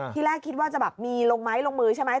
ที่แรกคิดว่าจะแบบมีลงไม้ลงมือใช่ไหม